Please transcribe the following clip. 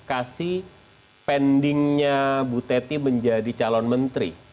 mengklarifikasi penyelesaiannya bu teti menjadi calon menteri